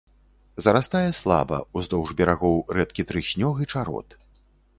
Зарастае слаба, уздоўж берагоў рэдкі трыснёг і чарот.